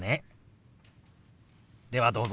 ではどうぞ。